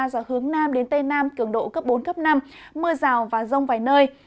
do hướng nam đến tây nam cường độ cấp bốn cấp năm mưa rào và rông vài nơi